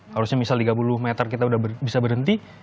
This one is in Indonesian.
harusnya misal tiga puluh meter kita udah bisa berhenti